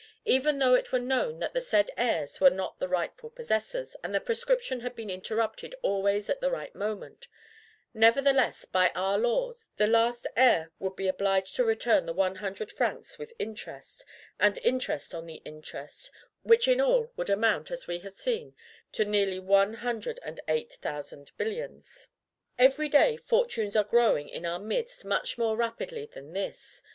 Even though it were known that the said heirs were not the rightful possessors, and that prescription had been interrupted always at the right moment, nevertheless, by our laws, the last heir would be obliged to return the one hundred francs with interest, and interest on the interest; which in all would amount, as we have seen, to nearly one hundred and eight thousand billions. Every day, fortunes are growing in our midst much more rapidly than this.